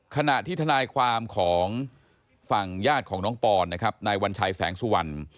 ขณะที่ทนายความของฝั่งญาติของน้องปอนนะครับนายวัญชัยแสงสุวรรณ